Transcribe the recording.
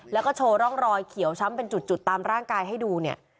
แล้วก็โชว์ร่องรอยเขียวช้ำเป็นจุดตามร่างกายให้ดูเนี่ย